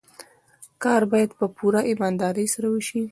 کار باید په پوره ایماندارۍ وشي.